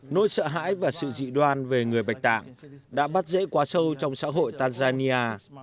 nỗi sợ hãi và sự dị đoan về người bạch tạng đã bắt dễ quá sâu trong xã hội tanzania